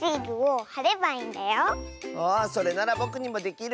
あそれならぼくにもできる！